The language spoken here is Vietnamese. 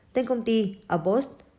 tên công ty abbott